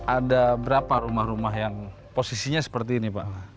ada berapa rumah rumah yang posisinya seperti ini pak